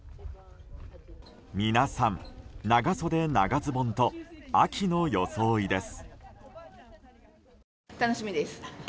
皆さん、長袖・長ズボンと秋の装いです。